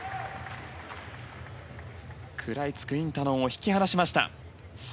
食らいつくインタノンを引き離しました。